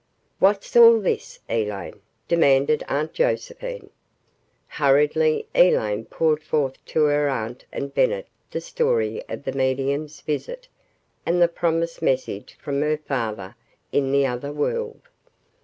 "What's all this, Elaine?" demanded Aunt Josephine. Hurriedly, Elaine poured forth to her aunt and Bennett the story of the medium's visit and the promised message from her father in the other world.